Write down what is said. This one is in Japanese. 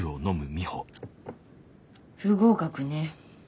不合格ね。